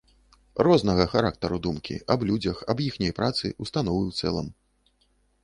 Рознага характару думкі аб людзях, аб іхняй працы, установы ў цэлым.